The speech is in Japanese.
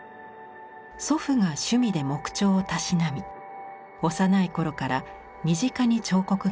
祖父が趣味で木彫をたしなみ幼い頃から身近に彫刻がありました。